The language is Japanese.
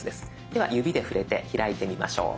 では指で触れて開いてみましょう。